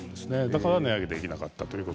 だから値上げができなかった。